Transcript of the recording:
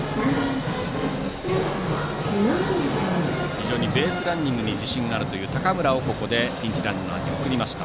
非常にベースランニングに自信があるという高村をここでピンチランナーに送りました。